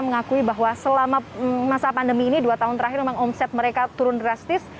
mengakui bahwa selama masa pandemi ini dua tahun terakhir memang omset mereka turun drastis